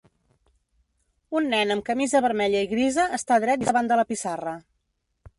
Un nen amb camisa vermella i grisa està dret davant de la pissarra.